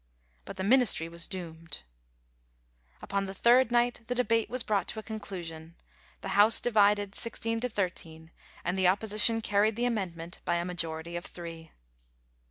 But the Ministry was doomed. 1 30 POUCY A AD PASS/OX, Upon the third night the debate was brought to a con clusion. The House divided, sixteen to thirteen, and the Opposition carried the amendment by a majority of three.